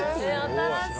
新しい。